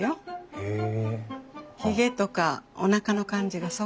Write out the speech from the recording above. へえ。